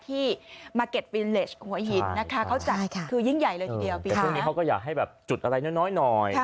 ที่หัวหินนะคะเขาจัดคือยิ่งใหญ่เลยทีเดียวแต่ช่วงนี้เขาก็อยากให้แบบจุดอะไรน้อยน้อย